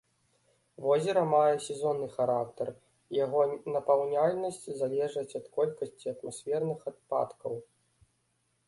Возера мае сезонны характар, яго напаўняльнасць залежыць ад колькасці атмасферных ападкаў.